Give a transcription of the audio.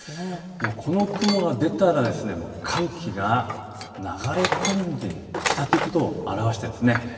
この雲が出たら寒気が流れ込んできたということを表しているんです。